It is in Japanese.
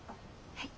はい。